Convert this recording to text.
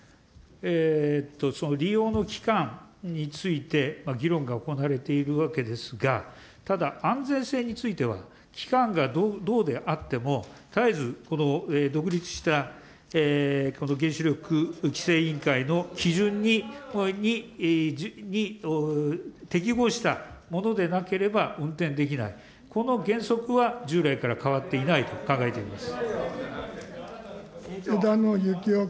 その利用の期間について、議論が行われているわけですが、ただ、安全性については、期間がどうであっても、絶えず独立した原子力規制委員会の基準に適合したものでなければ運転できない、この原則は従来から変わっていないと考えておりま枝野幸男君。